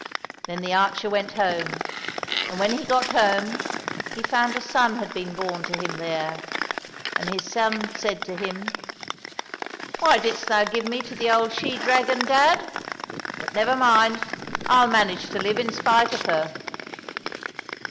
Then the archer went home, and when he got home he found a son had been born to him there, and his son said to him, " Why didst thou give me to the old she dragon, dad ? But never mind, I'll manage to live in spite of her."